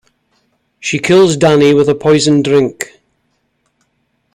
She kills Danny with a poisoned drink.